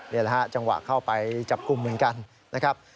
นี่แหละฮะจังหวะเข้าไปจับกลุ่มเหมือนกันนะครับ